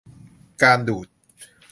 การดูด